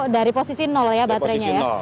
dari posisi nol ya baterainya ya